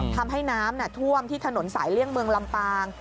ทำให้น้ำท่วมที่ถนนสายเลี่ยงเมืองลำปาง